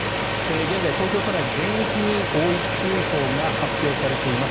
現在、東京都内全域に大雪注意報が発表されています。